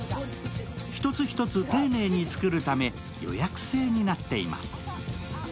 一つ一つ丁寧に作るため予約制になっています。